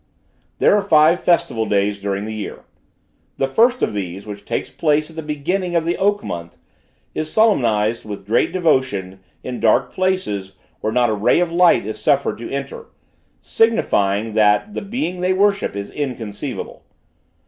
There are five festival days during the year. The first of these, which takes place at the beginning of the oak month, is solemnized with great devotion, in dark places, where not a ray of light is suffered to enter, signifying that the being they worship is inconceivable.